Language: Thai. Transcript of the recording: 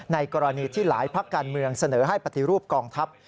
ในกรณีที่หลายพักการเมืองเสนอให้ปฏิรูปกองทัพ